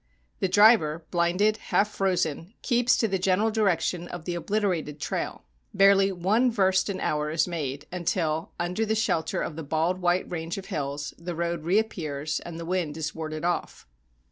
The driver, blinded, half frozen, keeps to the general direc tion of the obliterated trail. Barely one verst an hour is made, until, under the shelter of the bald white range of hills, the road reappears and the wind is warded off.